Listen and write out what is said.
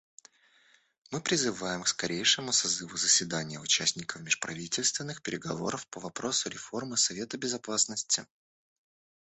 Мы призываем к скорейшему созыву заседания участников межправительственных переговоров по вопросу реформы Совета Безопасности.